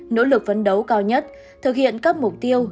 nỗ lực phấn đấu cao nhất thực hiện các mục tiêu